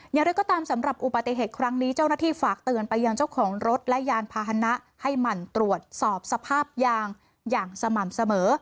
อย่างไรก็ตามสำหรับอุบัติเหตุครั้งนี้เจ้าหน้าที่ฝากเตือนไปยังเจ้าของรถและยานพาหนะให้หมั่นตรวจสอบสภาพยางอย่างสม่ำเสมอ